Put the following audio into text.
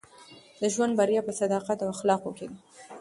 د ژوند بریا په صداقت او اخلاقو کښي ده.